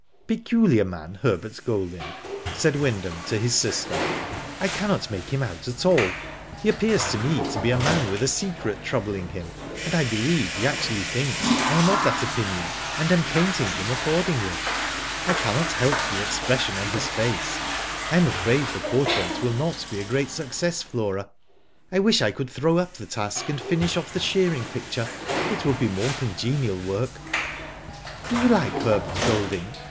" Peculiar man, Herbert Golding,*' said Wynd ham to his sister, "I cannot make him out at all. He appears to me to be a man with a secret troubling him, and I believe he actually thinks I am of that opinion, and am painting him accord ingly. I cannot help the expression on his face. I Digitized byGoogk THE PORTRAIT. 193 am afraid the portrait will not be a great success, Flora. I wish I could throw up the task, and finish off the shearing picture; it would be more congenial work/' "Do you like Herbert Golding?